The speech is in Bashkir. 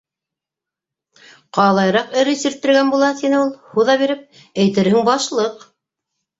- Ҡалайыраҡ эре сирттергән була, - тине ул, һуҙа биреп, - әйтерһең, башлыҡ...